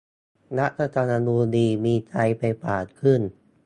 "รัฐธรรมนูญดี มีชัย ไปกว่าครึ่ง"